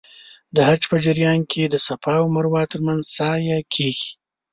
د حج په جریان کې د صفا او مروه ترمنځ سعی کېږي.